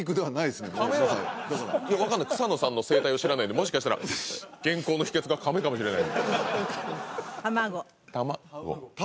いや分かんない草野さんの生態を知らないんでもしかしたら健康の秘訣がカメかもしれない卵卵？